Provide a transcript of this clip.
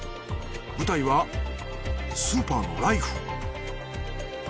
舞台はスーパーのライフ